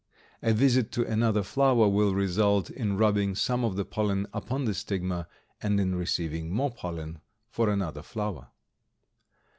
A visit to another flower will result in rubbing some of the pollen upon the stigma, and in receiving more pollen for another flower.